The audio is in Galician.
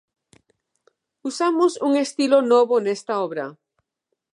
Usamos un estilo novo nesta obra.